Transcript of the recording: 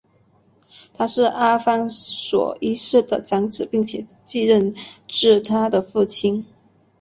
他是阿方索一世的长子并且继任自他的父亲。